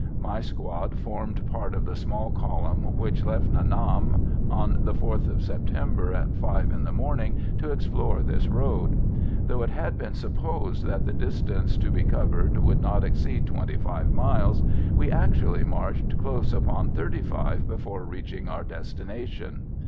My squad formed part of the small column which left Nha Nam on the 4th September, at five in the morning, to explore this road. Though it had been supposed that the distance to be covered would not exceed 25 miles, we actually marched close upon 35 before reaching our destination.